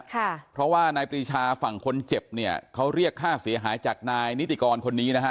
ค่ะเพราะว่านายปรีชาฝั่งคนเจ็บเนี่ยเขาเรียกค่าเสียหายจากนายนิติกรคนนี้นะฮะ